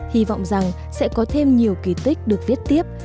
hy vọng rằng sẽ có thêm nhiều kỳ tích được viết tiếp